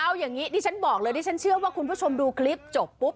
เอาอย่างนี้ดิฉันบอกเลยดิฉันเชื่อว่าคุณผู้ชมดูคลิปจบปุ๊บ